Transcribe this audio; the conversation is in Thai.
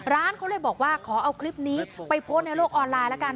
ร้านเขาเลยบอกว่าขอเอาคลิปนี้ไปโพสต์ในโลกออนไลน์แล้วกัน